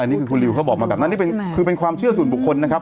อันนี้คือคุณริวเขาบอกมากับอันนี้เป็นความเชื่อสูญบุคคลนะครับ